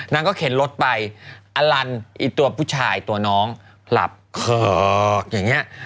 นางก็เข็นรถไปอลันไอ้ตัวผู้ชายตัวน้องหลับเขิกอย่างนี้